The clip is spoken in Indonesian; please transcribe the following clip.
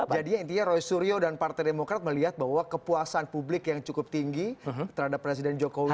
jadinya intinya roy suryo dan partai demokrat melihat bahwa kepuasan publik yang cukup tinggi terhadap presiden jokowi